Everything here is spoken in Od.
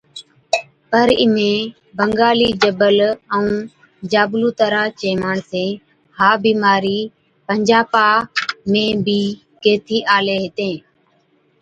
پَر اِميهن بنگالِي جبل ائُون جابلُون تران چين ماڻسين ها بِيمارِي پنجاپا ۾ بِي گيهٿِي آلين هِتين۔